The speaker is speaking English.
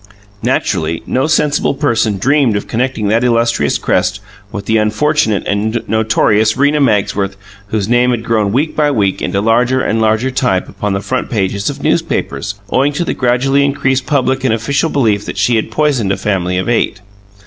Naturally, no sensible person dreamed of connecting that illustrious crest with the unfortunate and notorious Rena Magsworth whose name had grown week by week into larger and larger type upon the front pages of newspapers, owing to the gradually increasing public and official belief that she had poisoned a family of eight.